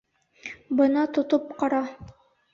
Бына тотоп ҡара.